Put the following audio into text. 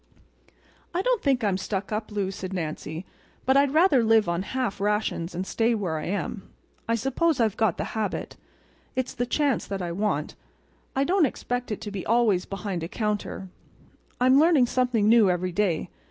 "I don't think I'm stuck up, Lou," said Nancy, "but I'd rather live on half rations and stay where I am. I suppose I've got the habit. It's the chance that I want. I don't expect to be always behind a counter. I'm learning something new every day.